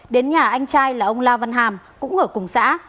đến nhà anh trai là ông la văn hàm cũng ở cùng xã